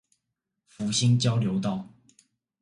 福興交流道